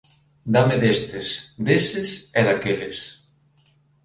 Dáme destes, deses e daqueles